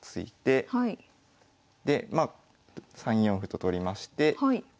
でまあ３四歩と取りまして同銀。